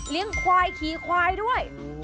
เลี้ยงควายขี่ควายด้วย